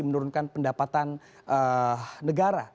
menurunkan pendapatan negara